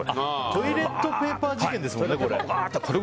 トイレットペーパー事件ですもんね、これ。